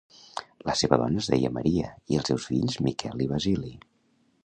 La seva dona es deia Maria i els seus fills Miquel i Basili.